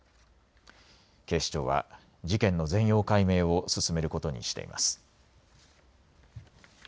警視庁は事件の全容解明を進めることにしています。